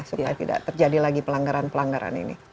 supaya tidak terjadi lagi pelanggaran pelanggaran ini